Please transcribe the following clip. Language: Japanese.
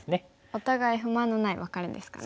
お互い不満のないワカレですかね。